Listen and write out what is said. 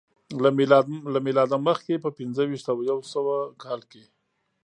له میلاده مخکې په پنځه ویشت او یو سوه کال کې